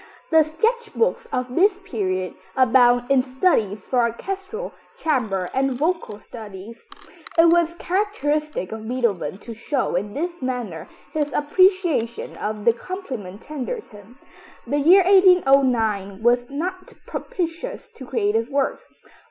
The sketch books of this period abound in studies for orchestral, chamber and vocal studies. It was characteristic of Beethoven to show in this manner his appreciation of the compliment tendered him. The year 1809 was not propitious to creative work.